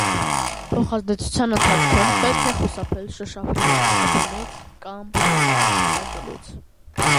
Փոխազդեցության ընթացքում պետք է խուսափել շոշափելուց, հպումից կամ ապտակելուց։